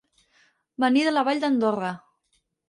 Venir de la Vall d'Andorra.